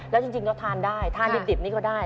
แล้วจริงต้องทานได้ทานดิบนี่ก็ได้